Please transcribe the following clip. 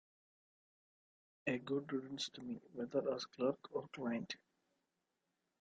A good riddance to me, whether as clerk or client!